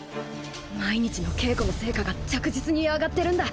毎日の稽古の成果が着実に上がってるんだ